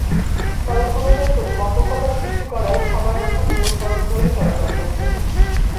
সড়কগুলোতে প্রতিবন্ধকতা সৃষ্টি করায় সবাই এখন মূল সড়ক ধরেই চলাচল করছেন।